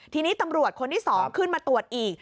ทีนี้ตำรวจคนที่๒ขึ้นมาตรวจอีก